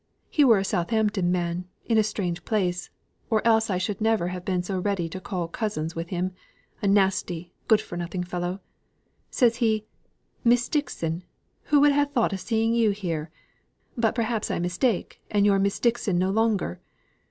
He were a Southampton man, in a strange place, or else I should never have been so ready to call cousins with him, a nasty, good for nothing fellow. Says he, 'Miss Dixon! who would ha' thought of seeing you here? But perhaps I mistake, and you're Miss Dixon no longer?